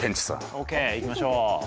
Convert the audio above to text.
ＯＫいきましょう。